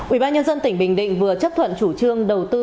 ubnd tỉnh bình định vừa chấp thuận chủ trương đầu tư bốn mươi sáu bảy tỷ đồng